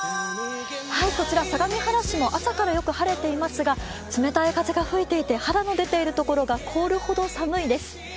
こちら相模原市、朝からよく晴れていますが、冷たい風が吹いていて肌の出ているところが凍るほど寒いです。